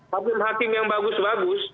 hakim hakim yang bagus bagus